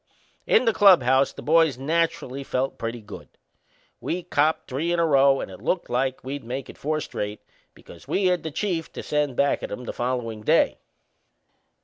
In the clubhouse the boys naturally felt pretty good. We'd copped three in a row and it looked like we'd make it four straight, because we had the Chief to send back at 'em the followin' day.